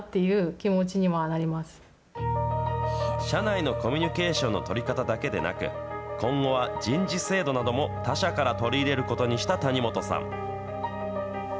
社内のコミュニケーションの取り方だけでなく、今後は人事制度なども他社から取り入れることにした谷元さん。